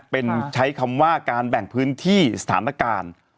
เป็นใช้คำว่าการแบ่งพื้นที่สถานการณ์